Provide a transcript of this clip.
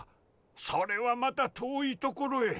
それはまた遠いところへ。